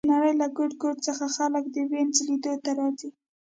د نړۍ له ګوټ ګوټ څخه خلک د وینز لیدو ته راځي